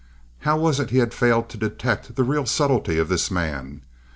How was it he had failed to detect the real subtlety of this man?